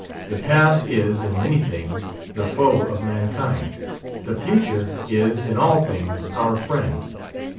The Past is, in many things, the foe of mankind; the Future is, in all things, our friend.